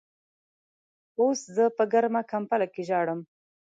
اوس زه په ګرمه کمبل کې ژاړم.